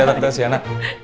bentar ya tante siana